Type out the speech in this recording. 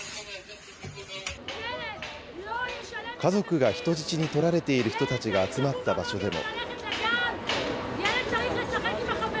家族が人質に取られている人たちが集まった場所でも。